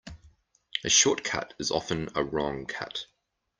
A short cut is often a wrong cut.